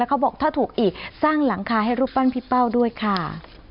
เขาบอกถ้าถูกอีกสร้างหลังคาให้รูปปั้นพี่เป้าด้วยค่ะ